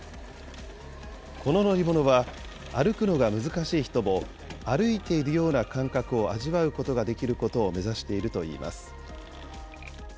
この乗り物は、歩くのが難しい人も歩いているような感覚を味わうことができることを目指しているといいます。